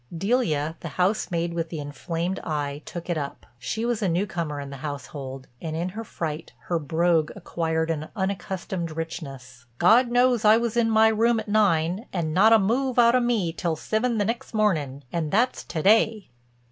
Delia, the housemaid with the inflamed eye, took it up. She was a newcomer in the household, and in her fright her brogue acquired an unaccustomed richness: "God knows I was in my room at nine, and not a move out of me till sivin the nixt mornin' and that's to day."